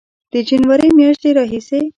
د جنورۍ میاشتې راهیسې